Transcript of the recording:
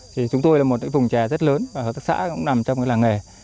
thì chúng tôi là một cái vùng chè rất lớn và hợp tác xã cũng nằm trong cái làng nghề